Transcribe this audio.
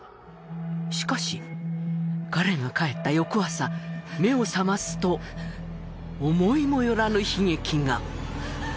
しかし彼が帰った翌朝目を覚ますと思いも寄らぬ悲劇が！